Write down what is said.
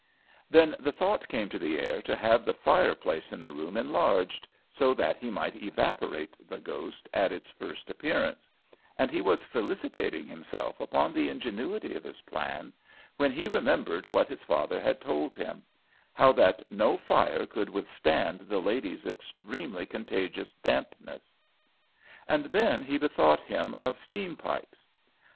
Then the thought came to the heir to have the fireplace in the room enlarged, so that he might evaporate the ghost at its first appearance, and he was felicitating himself upon the ingenuity of his plan, when he remembered what his father had told him how that no fire could withstand the lady's extremely contagious dampness. And then he bethought him of steam pipes.